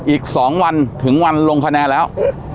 อีก๒วันถึงวันลงคะแนนแล้ว